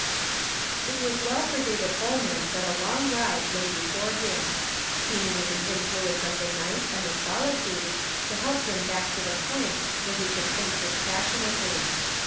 It was well for David Holman that a long ride lay before him. He needed the influence of the night and the solitade to help him back to the point wdiere he could think dispassionately.